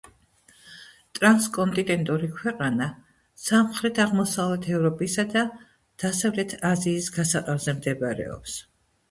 ტრანსკონტინენტური ქვეყანა სამხრეთ აღმოსავლეთ ევროპისა და დასავლეთ აზიის გასაყარზე მდებარეობს.